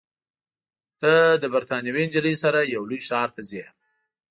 ته له بریتانوۍ نجلۍ سره یو لوی ښار ته ځې.